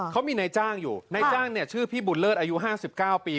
เขามีนายจ้างอยู่ในจ้างเนี่ยชื่อพี่บุญเลิศอายุ๕๙ปี